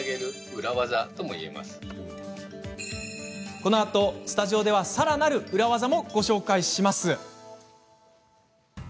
このあとスタジオではさらなる裏技も紹介します。